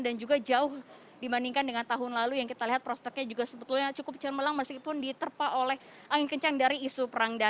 dan juga jauh dibandingkan dengan tahun lalu yang kita lihat prospeknya juga sebetulnya cukup cermelang meskipun diterpa oleh angin kencang dari isu